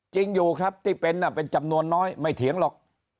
จริงอยู่ครับที่เป็นเป็นจำนวนน้อยไม่เถียงหรอก